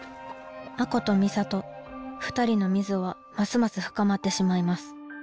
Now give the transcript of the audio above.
亜子と美里２人の溝はますます深まってしまいます。